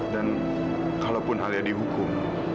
dan kalaupun alia dihukum